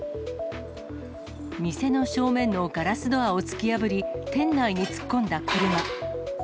店の正面のガラスドアを突き破り、店内に突っ込んだ車。